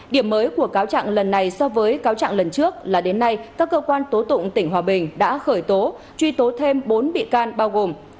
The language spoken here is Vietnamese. điểm mới của cáo trạng lần này so với cáo trạng lần trước là đến nay các cơ quan tố tụng tỉnh hòa bình đã khởi tố truy tố thêm bốn bị can bao gồm